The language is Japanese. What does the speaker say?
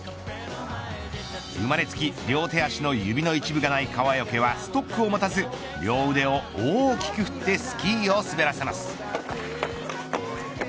生まれつき両手足の指の一部がない川除はストックを持たず両腕を大きく振ってスキーを滑らせます。